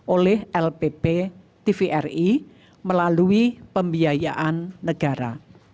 oleh lpp tvri melalui pembiayaan negara